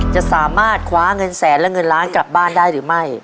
จะสามารถคว้าเงินแสนและเงินล้านกลับบ้านได้หรือไม่